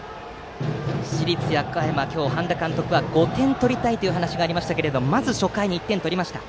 市立和歌山の半田監督は５点取りたいという話がありましたがまず初回に１点を取りました。